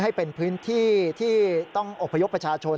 ให้เป็นพื้นที่ที่ต้องอบพยพประชาชน